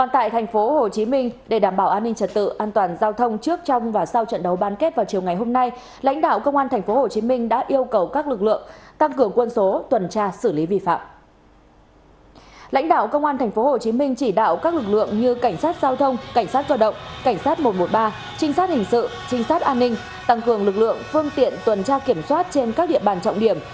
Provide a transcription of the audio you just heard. trinh sát hình sự trinh sát an ninh tăng cường lực lượng phương tiện tuần tra kiểm soát trên các địa bàn trọng điểm